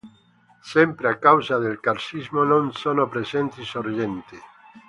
Sempre a causa del carsismo, non sono presenti sorgenti.